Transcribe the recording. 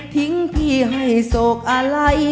ทิ้งพี่ให้โศกอะไร